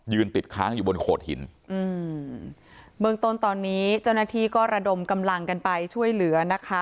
ติดค้างอยู่บนโขดหินอืมเบื้องต้นตอนนี้เจ้าหน้าที่ก็ระดมกำลังกันไปช่วยเหลือนะคะ